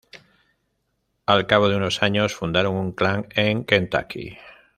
Al cabo de unos años fundaron un clan en Kentucky.